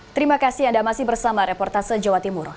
terima kasih anda masih bersama reportase jawa timur